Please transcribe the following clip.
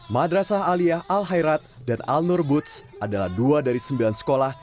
madrasah aliyah al hairat dan al nurbuds adalah dua dari sembilan sekolah